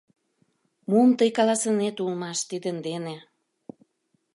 Мом тый каласынет улмаш тидын дене?